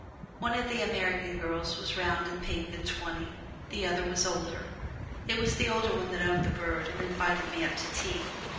One of the American girls was round and pink and twenty; the other was older. It was the older one that owned the bird, and invited me up to tea.